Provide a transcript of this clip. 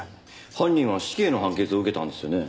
犯人は死刑の判決を受けたんですよね。